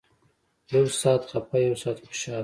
يو سات خپه يو سات خوشاله.